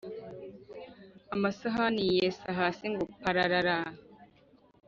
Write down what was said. Amasahani yiyesa hasi ngo prararara